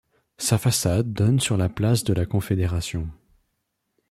Sa facade donne sur la place de la Confédération.